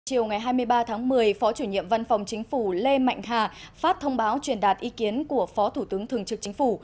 chiều ngày hai mươi ba tháng một mươi phó chủ nhiệm văn phòng chính phủ lê mạnh hà phát thông báo truyền đạt ý kiến của phó thủ tướng thường trực chính phủ